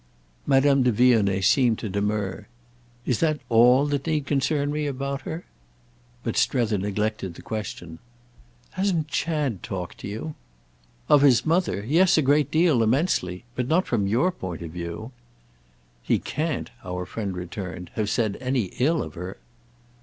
Madame de Vionnet seemed to demur. "Is that all that need concern me about her?" But Strether neglected the question. "Hasn't Chad talked to you?" "Of his mother? Yes, a great deal—immensely. But not from your point of view." "He can't," our friend returned, "have said any ill of her."